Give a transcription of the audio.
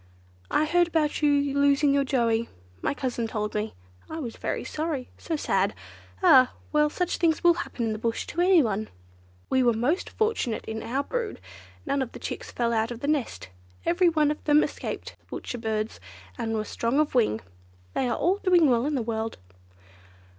I heard about you losing your Joey—my cousin told me. I was very sorry; so sad. Ah! well, such things will happen in the bush to anyone. We were most fortunate in our brood; none of the chicks fell out of the nest, every one of them escaped the Butcher Birds and were strong of wing. They are all doing well in the world."